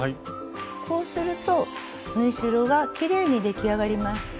こうすると縫い代がきれいに出来上がります。